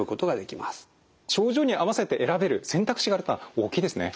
症状に合わせて選べる選択肢があるのは大きいですね。